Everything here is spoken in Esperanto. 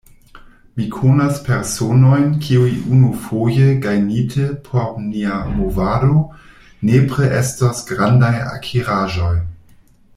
Mi konas personojn, kiuj, unufoje gajnite por nia movado, nepre estos grandaj akiraĵoj.